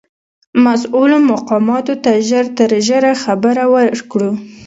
مسؤولو مقاماتو ته ژر تر ژره خبر ورکړو.